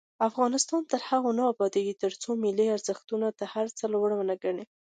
افغانستان تر هغو نه ابادیږي، ترڅو ملي ارزښتونه تر هر څه لوړ ونه ګڼو.